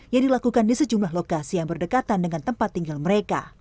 yang dilakukan di sejumlah lokasi yang berdekatan dengan tempat tinggal mereka